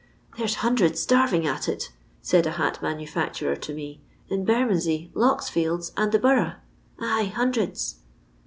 " There 's hundreds starving at it," said a hat manufacturer to me, "in Bennondsey, Lock's fields, and the Borough ; ay, hundreds."